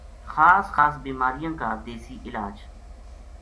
خاص خاص بیماریاں کا دیسی علاج